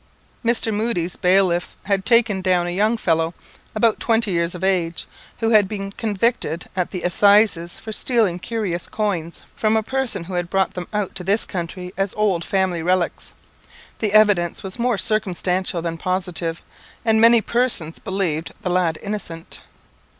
Mr. Moodie's bailiffs had taken down a young fellow, about twenty years of age, who had been convicted at the assizes for stealing curious coins from a person who had brought them out to this country as old family relics. The evidence was more circumstantial than positive, and many persons believed the lad innocent.